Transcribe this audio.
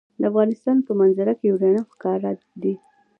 د افغانستان په منظره کې یورانیم ښکاره ده.